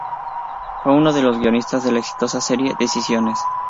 Fue uno de los guionistas de la exitosa serie Decisiones.